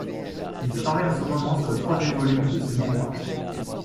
Il travaille en ce moment sur le troisième volume de ses mémoires.